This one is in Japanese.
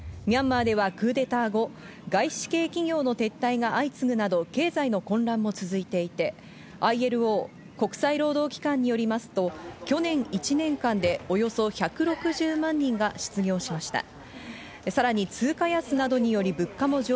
ミャンマーではクーデター後、外資系企業の撤退が相次ぐなど経済の混乱も続いていて、ＩＬＯ＝国際労働機関によりますと去年１年間でおよそ１６０万人が失業しました。